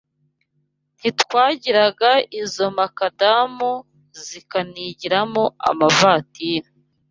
Ntitwagiraga izo makadamu Zikanigiramo amavatiri